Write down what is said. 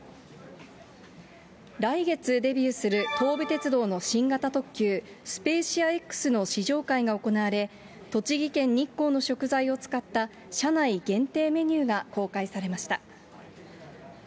来月デビューする東武鉄道の新型特急スペーシアＸの試乗会が行われ、栃木県日光の食材を使った、車内限定メニューが公開されました。